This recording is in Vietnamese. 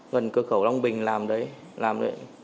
gần cơ khẩu long bình làm đấy làm đấy